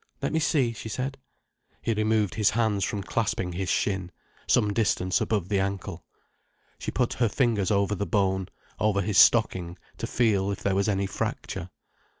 "Let me see," she said. He removed his hands from clasping his shin, some distance above the ankle. She put her fingers over the bone, over his stocking, to feel if there was any fracture.